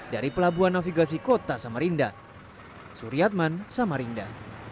dari pelabuhan navigasi kota samarinda suryatman samarinda